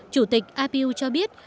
chủ tịch ipu cho biết